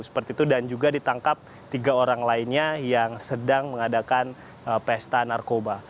seperti itu dan juga ditangkap tiga orang lainnya yang sedang mengadakan pesta narkoba